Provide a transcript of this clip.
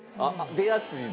出やすい。